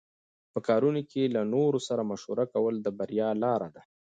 په کارونو کې له نورو سره مشوره کول د بریا لاره ده.